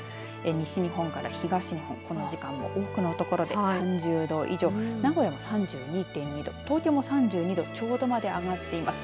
西日本から東日本、この時間も多くの所で３０度以上名古屋も３２．２度東京も３２度ちょうどまで上がっています。